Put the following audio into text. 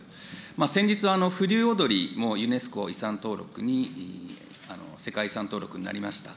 先日、おどりも、ユネスコ遺産登録に、世界遺産登録になりました。